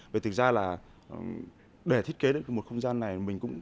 vì thực ra là để thiết kế được một không gian này